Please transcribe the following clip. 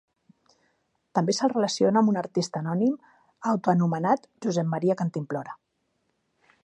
També se'l relaciona amb un artista anònim autoanomenat Josep Maria Cantimplora.